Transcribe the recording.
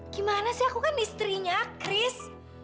gimana sih aku kan istrinya chris